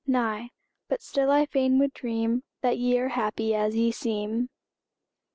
Nay but still I fain would dream That ye are happy as ye seem.